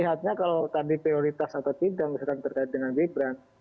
artinya kalau tadi prioritas atau tidak misalkan terkait dengan gibran